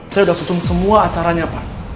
saya sudah susun semua acaranya pak